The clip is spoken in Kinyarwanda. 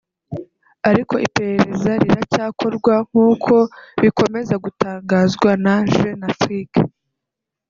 ariko iperereza riracyakorwa nkuko bikomeza bitangazwa na Jeune Afrique